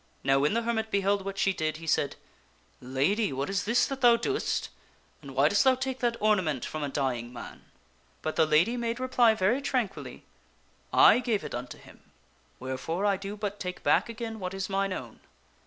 Now when the hermit beheld what she did, he said, " Lady, what is this that thou doest, and why dost thou take that ornament from a dying man ?" But the lady made reply very tranquilly, " I gave it unto him, where fore I do but take back again what is mine own.